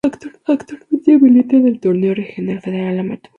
Actualmente milita en el Torneo Regional Federal Amateur.